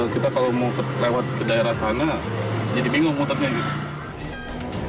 kita kalau mau lewat ke daerah sana jadi bingung motornya gitu